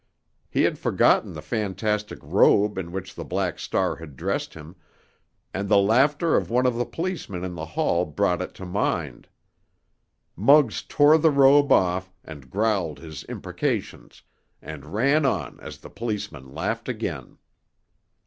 He had forgotten the fantastic robe in which the Black Star had dressed him, and the laughter of one of the policemen in the hall brought it to mind. Muggs tore the robe off and growled his imprecations, and ran on as the policeman laughed again.